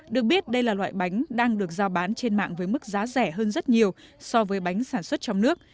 được biết đây là loại bánh đang được giao bán trên mạng với mức giá rẻ hơn rất nhiều so với bánh sản xuất trong nước